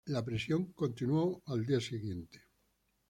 La presión continuó el día siguiente.